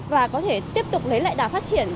và có thể tiếp tục lấy lại đà phát triển